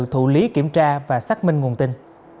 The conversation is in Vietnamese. thủ lý kiểm tra và xác minh nguồn tin